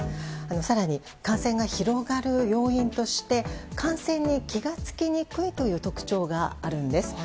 更に、感染が広がる要因として感染に気が付きにくいという特徴があるんです。